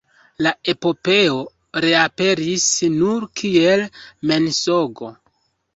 La epopeo reaperis nur kiel mensogo.